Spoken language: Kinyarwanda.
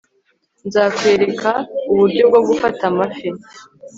nzakwereka uburyo bwo gufata amafi